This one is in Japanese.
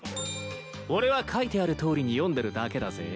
俺は書いてあるとおりに読んでるだけだぜ。